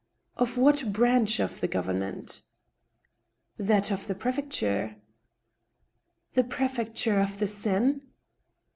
" Of what branch of the government ?" "That of the prefecture." " The prefecture of the Seine